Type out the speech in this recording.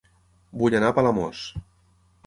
Vull anar a Palamós